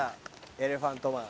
エレファント・マン。